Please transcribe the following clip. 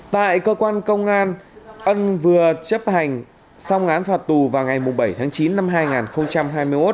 tại cơ quan công an ân vừa chấp hành xong án phạt tù vào ngày bảy tháng chín năm hai nghìn hai mươi một